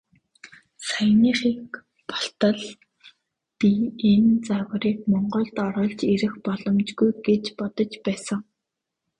Саяхныг болтол би энэ загварыг Монголд оруулж ирэх боломжгүй гэж бодож байсан.